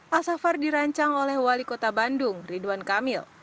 pak safar dirancang oleh wali kota bandung ridwan kamil